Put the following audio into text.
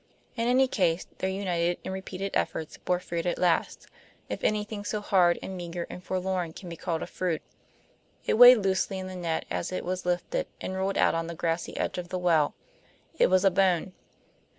In any case, their united and repeated efforts bore fruit at last, if anything so hard and meager and forlorn can be called a fruit. It weighed loosely in the net as it was lifted, and rolled out on the grassy edge of the well; it was a bone.